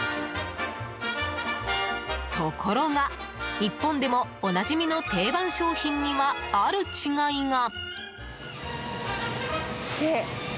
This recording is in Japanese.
ところが、日本でもおなじみの定番商品には、ある違いが。